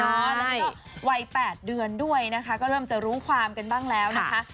แล้วก็วัย๘เดือนด้วยนะคะก็เริ่มจะรู้ความกันบ้างแล้วนะคะ